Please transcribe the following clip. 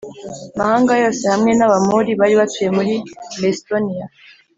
mahanga yose hamwe n Abamori bari batuye muri lestonia